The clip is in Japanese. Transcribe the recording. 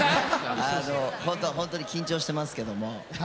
ほんとに緊張してますけども。